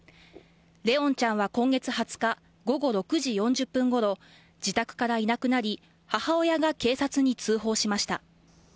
怜音ちゃんは今月２０日午後６時４０分ごろ自宅からいなくなり母親が警察に通報しました。